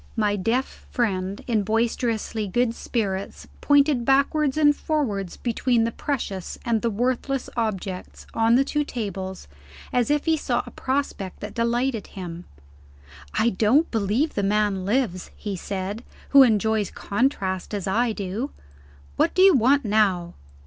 My deaf friend, in boisterously good spirits, pointed backwards and forwards between the precious and the worthless objects on the two tables, as if he saw a prospect that delighted him. "I don't believe the man lives," he said, "who enjoys Contrast as I do. What do you want now?"